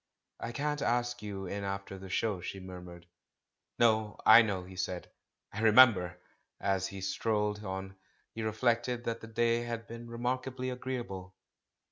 "I can't ask you in after the show," she mur mured. "No, I know," he said — "I remember!" As he strolled on, he reflected that the day had been remarkably agreeable.